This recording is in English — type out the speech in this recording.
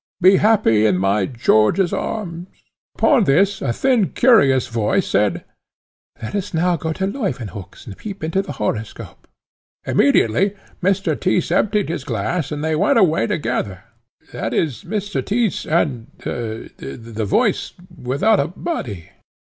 Be happy in my George's arms!' Upon this a thin curious voice said, 'Let us now go to Leuwenhock's, and peep into the horoscope.' Immediately Mr. Tyss emptied his glass, and they went away together that is, Mr. Tyss and the voice without a body.